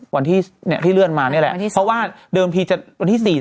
วันที่เนี่ยที่เลื่อนมานี่แหละเพราะว่าเดิมทีจะวันที่๔